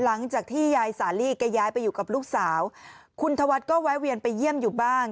หลังจากที่ยายสาลีแกย้ายไปอยู่กับลูกสาวคุณธวัฒน์ก็แวะเวียนไปเยี่ยมอยู่บ้าง